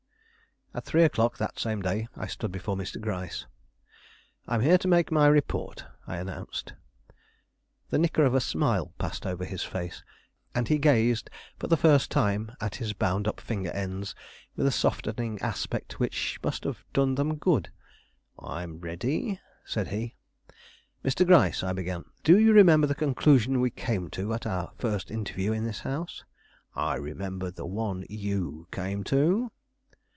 At three o'clock of that same day, I stood before Mr. Gryce. "I am here to make my report," I announced. The flicker of a smile passed over his face, and he gazed for the first time at his bound up finger ends with a softening aspect which must have done them good. "I'm ready," said he. "Mr. Gryce," I began, "do you remember the conclusion we came to at our first interview in this house?" "I remember the one you came to."